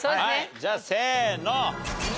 じゃあせーの。